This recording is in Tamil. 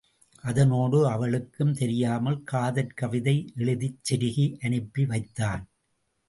அதனோடு அவளுக்கும் தெரியாமல் காதற் கவிதை எழுதிச் செருகி அனுப்பிவைத்தான்.